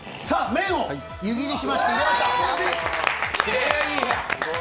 麺を湯切りして入れました。